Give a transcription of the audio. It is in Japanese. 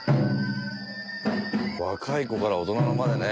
若い子から大人までね。